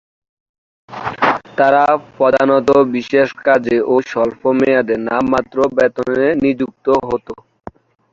তারা প্রধানত বিশেষ কাজে ও স্বল্পমেয়াদে নামমাত্র বেতনে নিযুক্ত হতো।